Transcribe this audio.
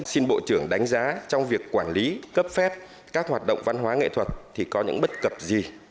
xin bộ trưởng đánh giá trong việc quản lý cấp phép các hoạt động văn hóa nghệ thuật thì có những bất cập gì